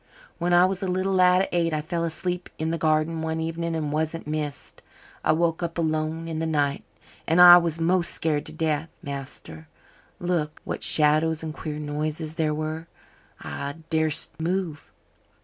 When I was a little lad of eight I fell asleep in the garden one evening and wasn't missed. I woke up alone in the night and I was most scared to death, master. Lord, what shadows and queer noises there were! I darsn't move.